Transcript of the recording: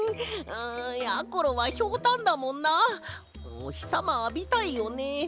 んやころはひょうたんだもんなおひさまあびたいよね。